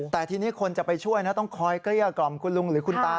แต่ทีนี้คนจะไปช่วยนะต้องคอยเกลี้ยกล่อมคุณลุงหรือคุณตา